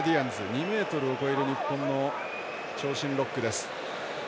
２ｍを超える日本の長身ロックです。